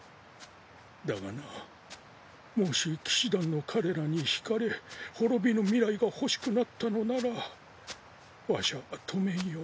だがなもし騎士団の彼らに惹かれ滅びぬ未来が欲しくなったのならわしゃ止めんよ。